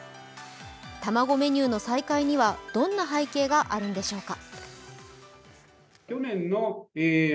卵メニューの再開にはどんな背景があるのでしょうか。